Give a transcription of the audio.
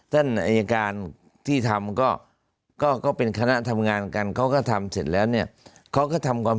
ท่านอายการที่ทำก็ก็เป็นคณะทำงานกันเขาก็ทำเสร็จแล้วเนี่ยเขาก็ทำความ